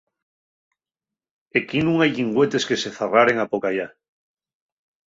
Equí nun hai llingüetes que se zarraren apocayá.